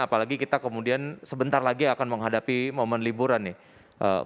apalagi kita kemudian sebentar lagi akan menghadapi momen liburan nih